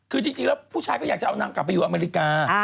คือจริงแล้วผู้ชายก็อยากจะเอานางกลับไปอยู่อเมริกา